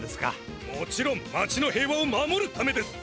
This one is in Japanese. もちろん町の平和を守るためです。